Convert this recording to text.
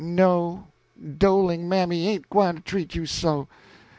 "No, dolling, mammy ain't gwine to treat you so.